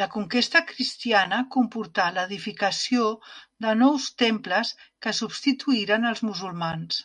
La conquesta cristiana comportà l'edificació de nous temples que substituïren els musulmans.